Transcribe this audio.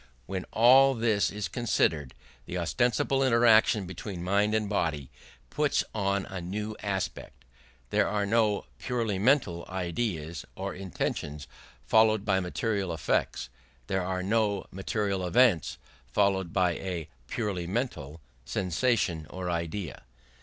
When all this is considered, the ostensible interaction between mind and body puts on a new aspect. There are no purely mental ideas or intentions followed by material effects: there are no material events followed by a purely mental sensation or idea.